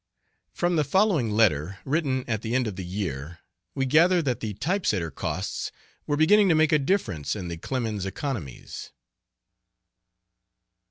From the following letter, written at the end of the year, we gather that the type setter costs were beginning to make a difference in the Clemens economies.